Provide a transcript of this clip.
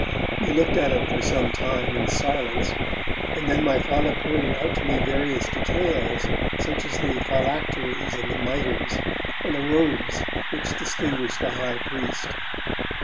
We looked at it for some time in silence, and then my Father pointed out to me various details, such as the phylacteries and the mitres, and the robes which distinguished the high priest.